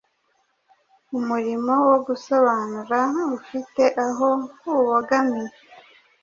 Umurimo wo gusobanura ufite aho ubogamiye,